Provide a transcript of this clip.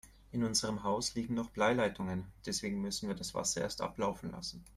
In unserem Haus liegen noch Bleileitungen, deswegen müssen wir das Wasser erst ablaufen lassen.